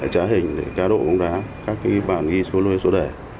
trá hình cá độ bóng đá các bản ghi số lôi số đẻ